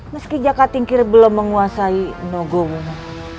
meski jaka tingkir belum menguasai nogowo